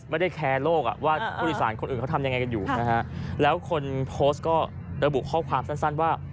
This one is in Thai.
ไม่ได้แคร์โลกอ่ะว่าผู้โดยสารคนอื่นเขาทำยังไงกันอยู่นะฮะแล้วคนโพสต์ก็ระบุข้อความสั้นว่า